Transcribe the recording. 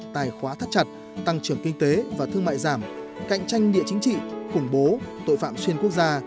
tài khóa thắt chặt tăng trưởng kinh tế và thương mại giảm cạnh tranh địa chính trị khủng bố tội phạm xuyên quốc gia